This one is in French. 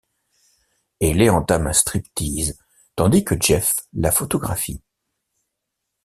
Hayley entame un strip-tease tandis que Jeff la photographie.